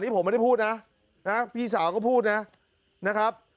ผมไม่ได้พูดนะพี่สาวก็พูดนะนะครับ